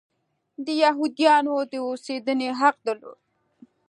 د یهودیانو د اوسېدنې حق درلود.